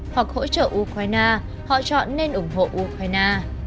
và ukraine họ chọn nên ủng hộ ukraine